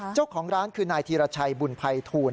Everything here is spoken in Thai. เจ้าของร้านคือนายธีรชัยบุญภัยทูล